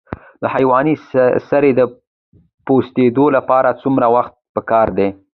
د حیواني سرې د پوسیدو لپاره څومره وخت پکار دی؟